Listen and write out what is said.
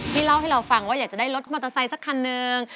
เล่าให้เราฟังว่าอยากจะได้รถมอเตอร์ไซค์สักคันนึง